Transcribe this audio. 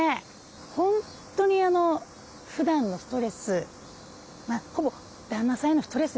本当にふだんのストレスほぼ旦那さんへのストレスですね